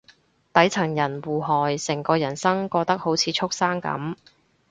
底層人互害，成個人生過得好似畜生噉